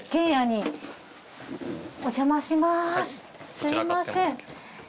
すみません。